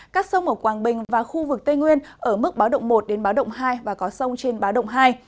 các sông ở quảng bình và khu vực tây nguyên ở mức báo động một đến báo động hai và có sông trên báo động hai